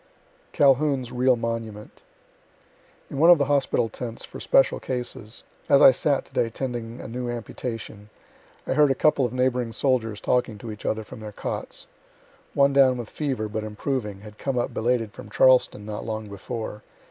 CALHOUN'S REAL MONUMENT In one of the hospital tents for special cases, as I sat to day tending a new amputation, I heard a couple of neighboring soldiers talking to each other from their cots. One down with fever, but improving, had come up belated from Charleston not long before.